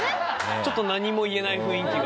ちょっと何も言えない雰囲気が。